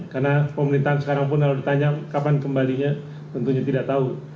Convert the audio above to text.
karena pemerintahan sekarang pun kalau ditanya kapan kembalinya tentunya tidak tahu